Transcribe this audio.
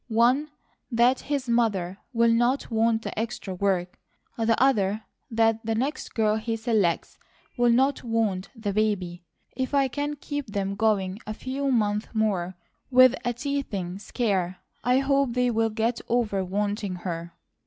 One that his mother will not want the extra work; the other that the next girl he selects will not want the baby. If I can keep them going a few months more with a teething scare, I hope they will get over wanting her."